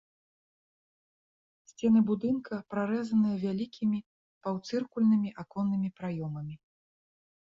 Сцены будынка прарэзаныя вялікімі паўцыркульнымі аконнымі праёмамі.